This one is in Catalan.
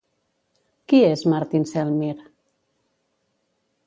Qui és Martin Selmyr?